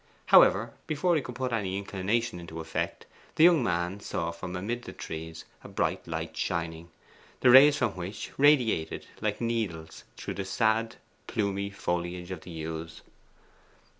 However, before he could put any inclination into effect, the young man saw from amid the trees a bright light shining, the rays from which radiated like needles through the sad plumy foliage of the yews.